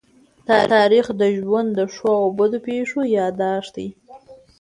تاریخ د ژوند د ښو او بدو پېښو يادښت دی.